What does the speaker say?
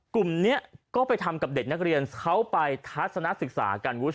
กลุ่มนี้ก็ไปทำกับเด็กนักเรียนเขาไปทัศนศึกษากัน